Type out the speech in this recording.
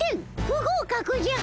不合格じゃ。